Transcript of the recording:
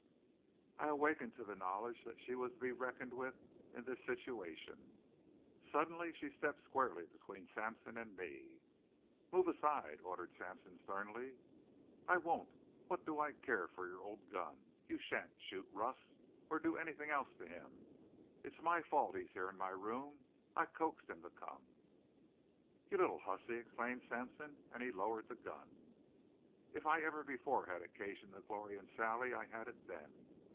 I awakened to the knowledge that she was to be reckoned with in this situation. Suddenly she stepped squarely between Sampson and me. "Move aside," ordered Sampson sternly. "I won't! What do I care for your old gun? You shan't shoot Russ or do anything else to him. It's my fault he's here in my room. I coaxed him to come." "You little hussy!" exclaimed Sampson, and he lowered the gun. If I ever before had occasion to glory in Sally I had it then.